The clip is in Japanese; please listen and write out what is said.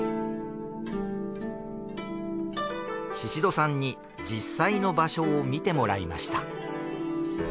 シシドさんに実際の場所を見てもらいました。